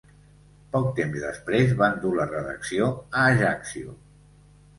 Poc temps després van dur la redacció a Ajaccio.